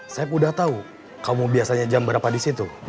saeb udah tau kamu biasanya jam berapa disitu